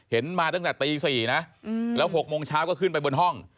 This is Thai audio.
มาตั้งแต่ตี๔นะแล้ว๖โมงเช้าก็ขึ้นไปบนห้อง